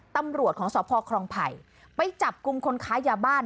ตำรวจของสพครองไผ่ไปจับกลุ่มคนค้ายาบ้าน